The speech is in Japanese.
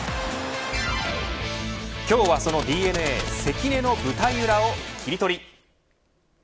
今日はそのＤｅＮＡ関根の舞台裏をキリトリ。